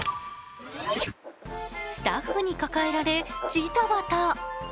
スタッフに抱えられジタバタ。